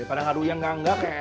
ya pada haduh yang gangga keng